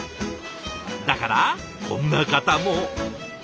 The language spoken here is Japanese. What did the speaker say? だからこんな方も。